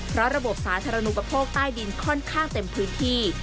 เพราะระบบสาธารณูปโภคใต้ดินค่อนข้างเต็มพื้นที่